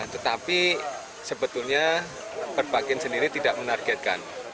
tetapi sebetulnya perbakin sendiri tidak menargetkan